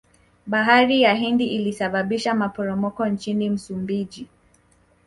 bahari ya hindi ilisababisha maporomoko nchini msumbiji